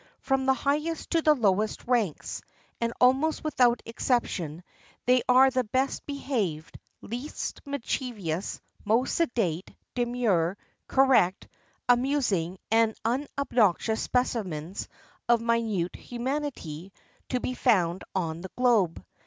From the highest to the lowest ranks, and almost without exception, they are the best behaved, least mischievous, most sedate, demure, correct, amus ing, and unobnoxious specimens of minute humanity to be found on the globe.